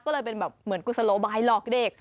ก็เลยเป็นแบบเหมือนกุศโลบายหลอกเด็ก